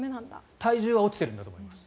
体重は落ちてるんだと思いますよ。